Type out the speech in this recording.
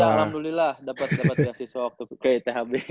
ya alhamdulillah dapat beasiswa waktu ke ithb